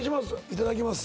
いただきます